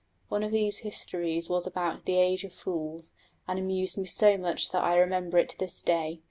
One of these histories was about the Age of Fools, and amused me so much that I remember it to this day.